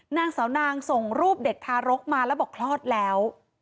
นางสาวนางส่งรูปเด็กทารกมาแล้วบอกคลอดแล้ว